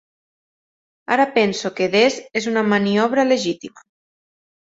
Ara penso que des és una maniobra legítima